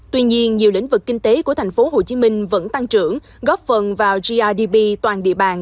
tuy nhiên nhiều lĩnh vực kinh tế của tp hcm vẫn tăng trưởng góp phần vào grdp toàn địa bàn